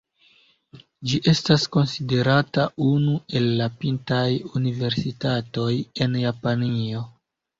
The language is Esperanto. Ĝi estas konsiderata unu el la pintaj universitatoj en Japanio.